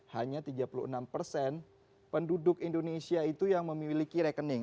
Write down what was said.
hanya tiga puluh enam persen penduduk indonesia itu yang memiliki rekening